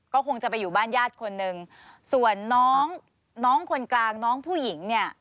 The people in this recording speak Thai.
ก็คงจะไปอยู่บ้านญาติคนหนึ่งส่วนน้องน้องคนกลางน้องผู้หญิงเนี่ย